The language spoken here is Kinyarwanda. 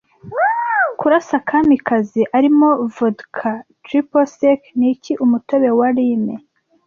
Kurasa kamikaze arimo Vodka Triple sec niki umutobe wa Lime